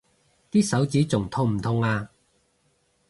啲手指仲痛唔痛啊？